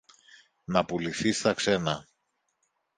να πουληθεί στα ξένα.